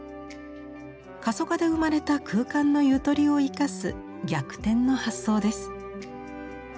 過疎化で生まれた空間のゆとりを生かす逆転の発想です。